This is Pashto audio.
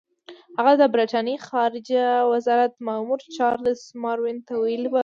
هغه د برټانیې خارجه وزارت مامور چارلس ماروین ته ویلي وو.